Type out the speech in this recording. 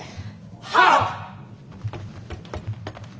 はっ！